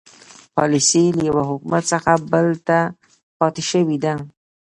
پالیسي له یوه حکومت څخه بل ته پاتې شوې ده.